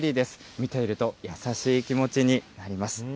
見ていると、優しい気持ちになります。